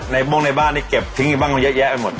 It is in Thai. ม่วงในบ้านนี่เก็บทิ้งอยู่บ้างเยอะแยะไปหมด